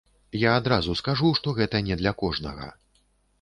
Я адразу скажу, што гэта не для кожнага.